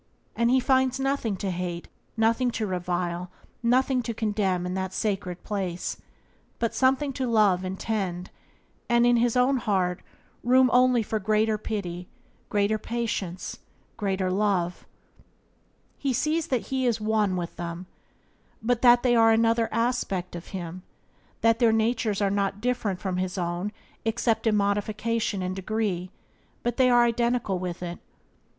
And he finds nothing to hate, nothing to revile, nothing to condemn in that sacred place, but something to love and tend, and, in his own heart, room only for greater pity, greater patience, greater love. He sees that he is one with them, that they are but another aspect of himself, that their natures are not different from his own, except in modification and degree, but are identical with it.